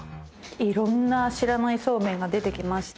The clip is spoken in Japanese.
いろんな知らないそうめんが出てきまして。